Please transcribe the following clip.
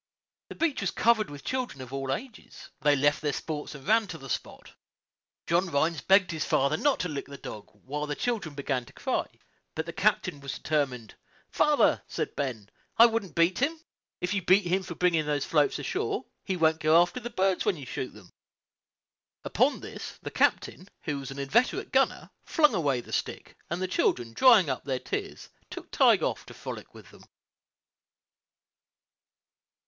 The beach was covered with children of all ages. They left their sports and ran to the spot. John Rhines begged his father not to lick the dog, while the children began to cry; but the captain was determined. "Father," said Ben, "I wouldn't beat him; if you beat him for bringing these floats ashore, he won't go after birds when you shoot them." Upon this, the captain, who was an inveterate gunner, flung away the stick; and the children, drying up their tears, took Tige off to frolic with them.